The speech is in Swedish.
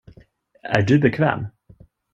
Är du bekväm?